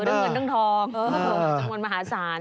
เรื่องเงินตั้งทองจังหวันมหาสาร